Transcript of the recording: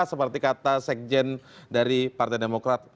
seperti kata sekjen dari partai demokrat